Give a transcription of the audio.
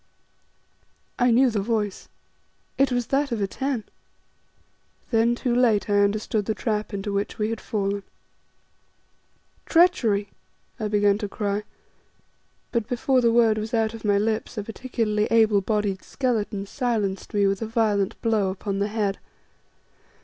I knew the voice; it was that of Atene! Then too late I understood the trap into which we had fallen. "Treachery!" I began to cry, and before the word was out of my lips, a particularly able bodied skeleton silenced me with a violent blow upon the head.